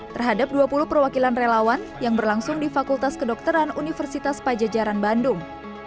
terhadap dua puluh perwakilan relawan yang berlangsung di fakultas kedokteran universitas pajajaran bandung